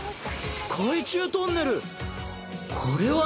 海中トンネル。